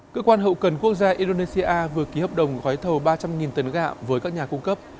cơ quan hậu cần quốc gia indonesia vừa ký hợp đồng gói thầu ba trăm linh tấn gạo với các nhà cung cấp